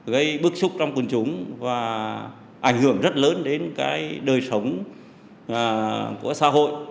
gây bức xúc trong quần chúng và ảnh hưởng rất lớn đến cái đời sống của xã hội